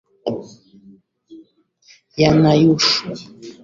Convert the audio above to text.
yanayohusiana na matibabu ya wagonjwa wa